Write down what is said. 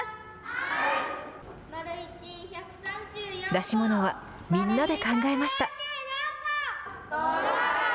出し物はみんなで考えました。